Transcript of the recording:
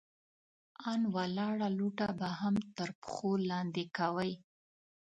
ان ولاړه لوټه به هم تر پښو لاندې کوئ!